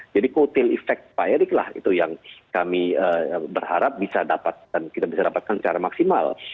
jadi kotil effect pak erick lah itu yang kami berharap bisa dapatkan kita bisa dapatkan secara maksimal